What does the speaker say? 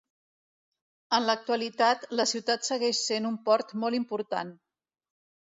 En l'actualitat, la ciutat segueix sent un port molt important.